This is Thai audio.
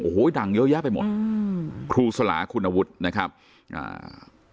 โอ้โหดังเยอะแยะไปหมดอืมครูสลาคุณวุฒินะครับอ่า